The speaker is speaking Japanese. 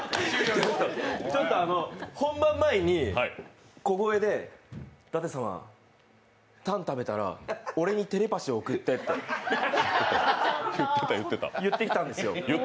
本番前に小声で、舘様、タン食べたら俺にテレパシーを送ってって言ってきたんですよ。